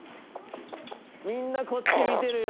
みんなこっち見てるよ。